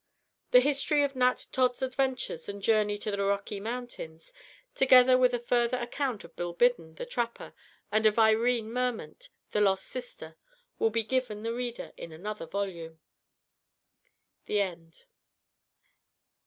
The history of Nat Todd's adventures and journey to the Rocky Mountains, together with a further account of Bill Biddon, the Trapper, and of Irene Merment, the lost sister, will be given the reader in another volume. THE END.